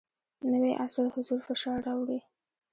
نوی عصر حضور فشار راوړی.